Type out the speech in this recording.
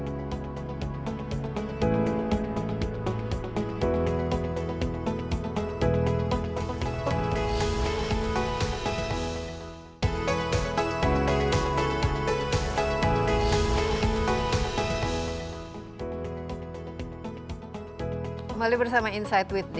kembali bersama insight with desi anwar di studio